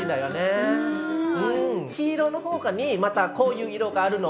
黄色の他にまたこういう色があるの。